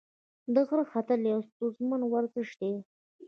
د غره ختل یو ستونزمن ورزش دی.